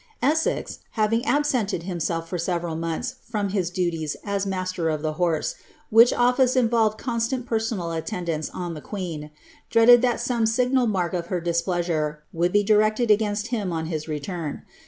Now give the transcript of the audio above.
Esse.'t, having absented liimsilf for several months from his duties u master of the horse, which olTicc involved constant personal attendance on the queen, dreaded that some signal mark of her displeasure woulJ be directed against bini on his return.